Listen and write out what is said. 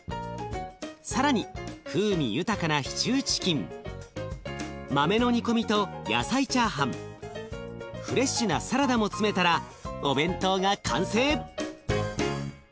更に風味豊かなシチューチキン豆の煮込みと野菜チャーハンフレッシュなサラダも詰めたらお弁当が完成！